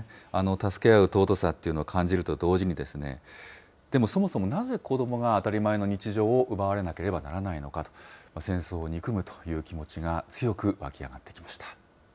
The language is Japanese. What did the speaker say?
助け合う尊さというのを感じると同時に、でもそもそもなぜ子どもが、当たり前の日常を奪われなければならないのかと、戦争を憎むという気持ちが強く湧き上がってきました。